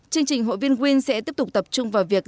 chương trình hội viên win sẽ tiếp tục tập trung vào việc